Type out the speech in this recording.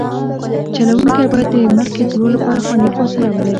چلوونکی باید د مخکې تلو لپاره خوندي فاصله ولري